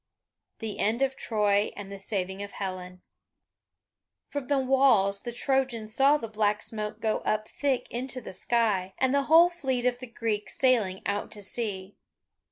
THE END OF TROY AND THE SAVING OF HELEN From the walls the Trojans saw the black smoke go up thick into the sky, and the whole fleet of the Greeks sailing out to sea.